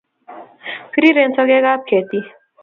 Pireren sogek ab keti